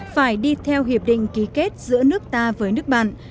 phải đi theo hiệp định ký kết giữa nước ta với nước bạn